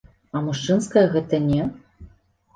А мужчынская гэта не?